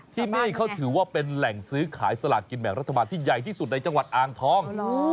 ที่นี่เขาถือว่าเป็นแหล่งซื้อขายสลากกินแบ่งรัฐบาลที่ใหญ่ที่สุดในจังหวัดอ่างทอง